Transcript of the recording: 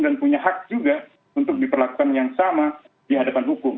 dan punya hak juga untuk diperlakukan yang sama di hadapan hukum